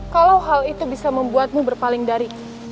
kalau hal itu bisa membuatmu berpaling dari